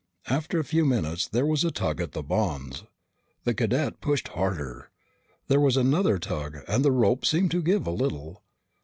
After a few minutes there was a tug at the bonds. The cadet pushed harder. There was another tug and the rope seemed to give a little.